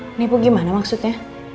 menipu gimana maksudnya